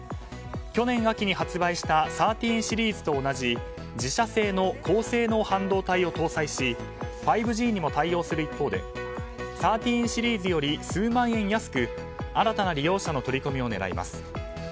去年秋に発売した１３シリーズと同じ自社製の高性能半導体を搭載し５Ｇにも対応する一方で１３シリーズより数万円安く、新たな利用者の取り込みを狙います。